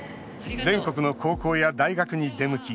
全国の高校や大学に出向き